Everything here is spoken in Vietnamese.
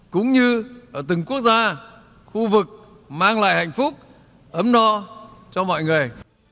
cũng như ở từng quốc gia khu vực mang lại hạnh phúc ấm no cho mọi người